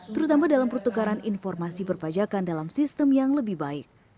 terutama dalam pertukaran informasi perpajakan dalam sistem yang lebih baik